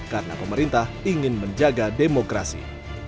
karena pemerintah ingin menjaga demokrasi